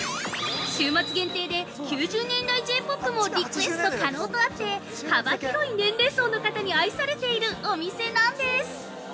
週末限定で９０年代Ｊ−ＰＯＰもリクエスト可能とあって、幅広い年齢層の方に愛されているお店なんです。